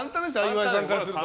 岩井さんからすると。